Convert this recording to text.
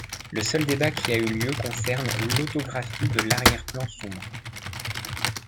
Le seul débat qui a eu lieu concerne l'autographie de l'arrière-plan sombre.